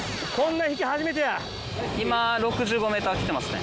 今６５ｍ来てますね。